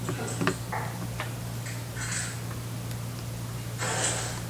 თუმცა, არსებობენ სხვა მოსაზრებებიც.